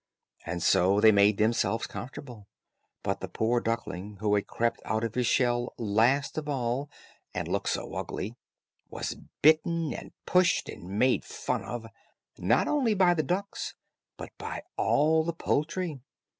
And so they made themselves comfortable; but the poor duckling, who had crept out of his shell last of all, and looked so ugly, was bitten and pushed and made fun of, not only by the ducks, but by all the poultry.